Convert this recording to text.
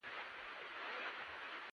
ویده ذهن بله نړۍ جوړوي